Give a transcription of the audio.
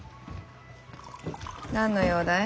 何の用だい？